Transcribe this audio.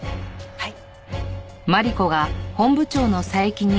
はい。